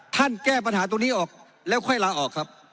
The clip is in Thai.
แก้ปัญหาตรงนี้ออกแล้วค่อยลาออกครับ